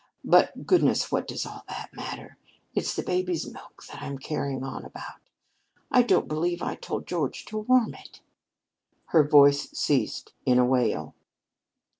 But, goodness, what does all that matter? It's the baby's milk that I'm carrying on about. I don't believe I told George to warm it." Her voice ceased in a wail.